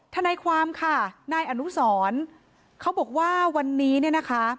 ทนายความค่ะนายอนุสรเขาบอกว่าวันนี้เนี่ยนะคะ